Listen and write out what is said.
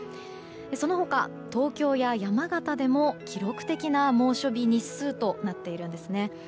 その他、東京や山形でも記録的な猛暑日日数となっているんですね。